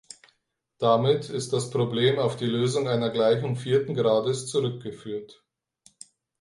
Damit ist das Problem auf die Lösung einer Gleichung vierten Grades zurückgeführt.